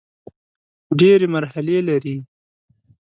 ډېري مرحلې لري .